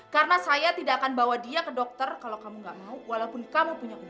karena saya tidak akan bawa dia ke dokter kalau kamu gak mau walaupun kamu punya umat